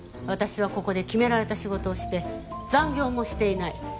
私はここで決められた仕事をして残業もしていない。